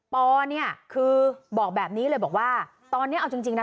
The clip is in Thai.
ปอเนี่ยคือบอกแบบนี้เลยบอกว่าตอนนี้เอาจริงนะ